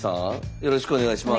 よろしくお願いします。